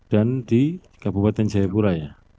dan di kabupaten jaipura ya